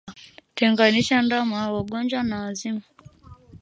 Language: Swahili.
Tenganisha ndama wagonjwa na wazima